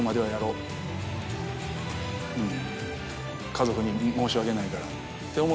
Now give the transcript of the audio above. うん。